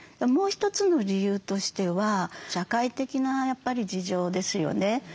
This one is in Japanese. もう一つの理由としては社会的なやっぱり事情ですよね。